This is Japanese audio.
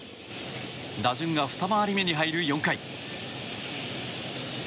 打順が２回り目に入る４回。